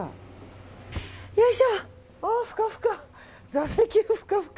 よいしょふかふか！